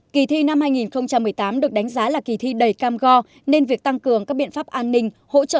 kỳ thi năm hai nghìn một mươi tám được đánh giá là kỳ thi đầy cam go nên việc tăng cường các biện pháp an ninh hỗ trợ